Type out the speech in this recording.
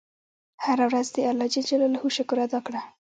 هره ورځ د الله شکر ادا کړه.